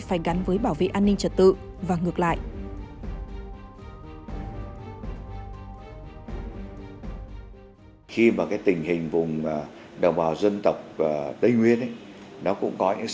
phải gắn với bảo vệ an ninh trật tự